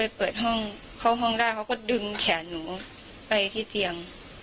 อีกไหน